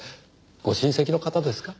ご親戚の方ですか？